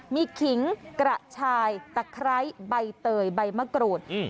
มีขิงกระชายตะไคร้ใบเตยใบมะกรูด